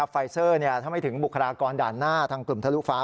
ไฟเซอร์ถ้าไม่ถึงบุคลากรด่านหน้าทางกลุ่มทะลุฟ้า